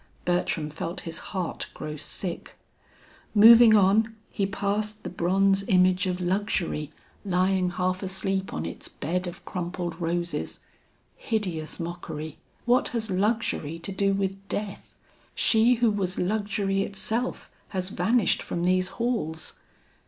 Bertram felt his heart grow sick. Moving on, he passed the bronze image of Luxury lying half asleep on its bed of crumpled roses. Hideous mockery! What has luxury to do with death? She who was luxury itself has vanished from these halls.